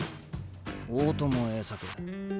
大友栄作。